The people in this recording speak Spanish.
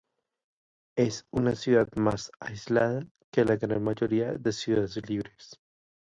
Es una ciudad más aislada que la gran mayoría de Ciudades Libres.